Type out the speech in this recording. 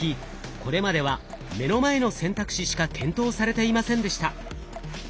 これまでは目の前の選択肢しか検討されていませんでした。